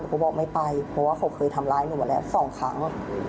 หนูก็บอกไม่ไปเพราะว่าเขาเคยทำลายหนูมาแหละ๒ครั้ง